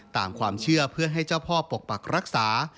ตามความเชื่อเพื่อให้เจ้าพ่อปกปักรักษา